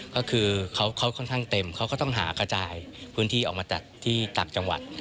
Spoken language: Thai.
ก็คือเขาค่อนข้างเต็มเขาก็ต้องหากระจายพื้นที่ออกมาจากที่ต่างจังหวัด